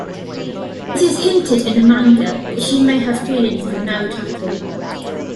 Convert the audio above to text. It is hinted in the manga that she may have feelings for Narutaki.